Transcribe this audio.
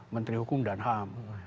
menteri hukum dan ham